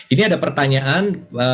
ini ada pertanyaan